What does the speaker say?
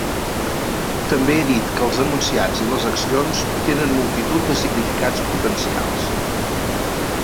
També he dit que els enunciats i les accions tenen multitud de significats potencials.